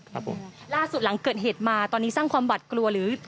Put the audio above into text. ครับผมล่าสุดหลังเกิดเหตุมาตอนนี้สร้างความหวัดกลัวหรือ